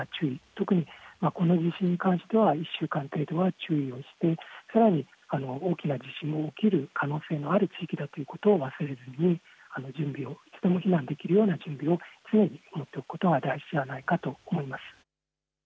特にこの地震に関しては、１週間程度は注意をして、さらに大きな地震が起きる可能性がある地域だということを忘れずに、準備を、すぐ避難をできるような準備を常に持っておくことが大切ではないかと思います。